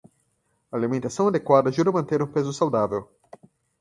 A alimentação adequada ajuda a manter um peso saudável.